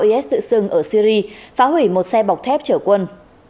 is tự xưng ở syri phá hủy một xe bọc thép chở quân